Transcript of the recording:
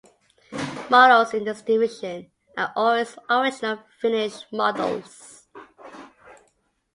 Models in this division are always Original Finish models.